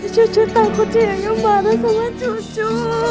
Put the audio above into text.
cucu takut siayanya marah sama cucu